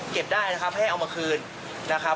ได้นะครับให้เอามาคืนนะครับ